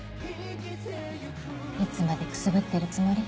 いつまでくすぶってるつもり？